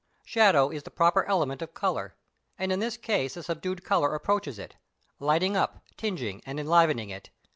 Shadow is the proper element of colour, and in this case a subdued colour approaches it, lighting up, tinging, and enlivening it.